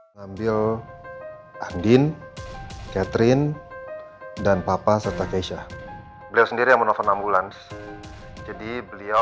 ngambil andin catherine dan papa serta keisha beliau sendiri yang menonton ambulans jadi beliau